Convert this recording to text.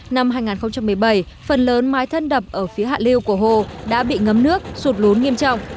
năm hai nghìn một mươi bảy phần lớn mái thân đập ở phía hạ liêu của hồ đã bị ngấm nước rụt lốn nghiêm trọng